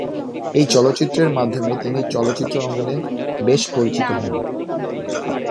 এই চলচ্চিত্রের মাধ্যমে তিনি চলচ্চিত্র অঙ্গনে বেশ পরিচিত হন।